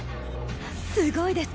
すごいです！